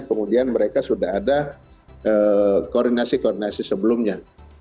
kemudian mereka sudah ada koordinasi koordinasi sebelumnya